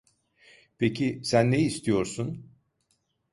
Peki sen ne istiyorsun?